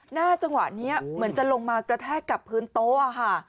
หน้าจังหวะนี้เหมือนจะลงมากระแทกกับพื้นโต๊ะค่ะ